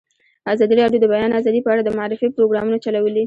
ازادي راډیو د د بیان آزادي په اړه د معارفې پروګرامونه چلولي.